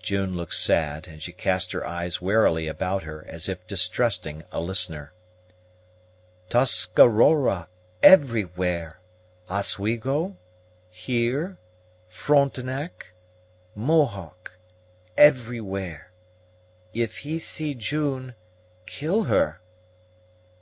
June looked sad, and she cast her eyes warily about her, as if distrusting a listener. "Tuscarora, everywhere Oswego, here, Frontenac, Mohawk everywhere. If he see June, kill her."